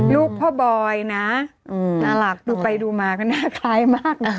ลูกพ่อบอยนะน่ารักดูไปดูมาก็น่าคล้ายมากนะ